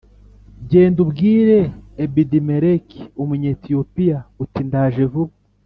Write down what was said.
Genda ubwire Ebedimeleki Umunyetiyopiya uti ndaje vuba